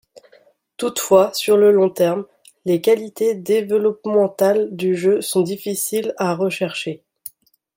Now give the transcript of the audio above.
Toutefois sur le long terme, les qualités développementales du jeu sont difficiles à rechercher.